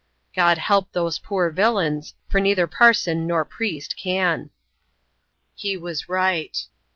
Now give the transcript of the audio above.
"God help those poor villains, for neither parson nor priest can." He was right.